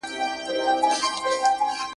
ته هر ورځ ښار ته ځې.